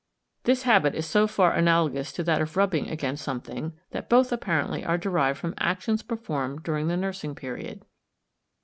This habit is so far analogous to that of rubbing against something, that both apparently are derived from actions performed during the nursing period.